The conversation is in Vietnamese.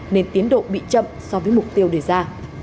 nên tiến độ bị chậm so với mục tiêu đề ra